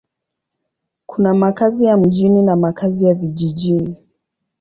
Kuna makazi ya mjini na makazi ya vijijini.